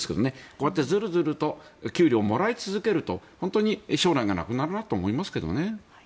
こうやってずるずると給料をもらい続けると本当に将来がなくなるなと思いますけどね。